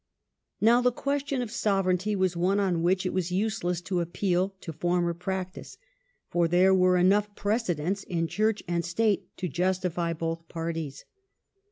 Now, the question of sovereignty was one on which it was useless to appeal to former practice; for ^^^ there were enough precedents in church and respective state to justify both parties.